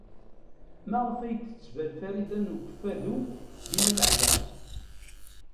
Maɣef ay d-tettban Farida n Ukeffadu dima teɛya?